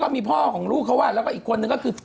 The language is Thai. มีพ่อของลูกเขาแล้วก็อีกคนนึงก็คือ